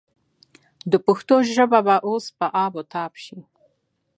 د پښتو ژبه به اوس په آب و تاب شي.